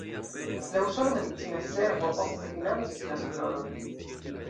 La usona medicina servo ofte financis la esplorojn.